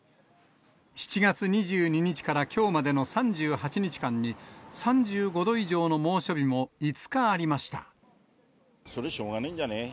７月２２日から今日までの３８日間に、３５度以上の猛暑日も５日それ、しょうがないんじゃね？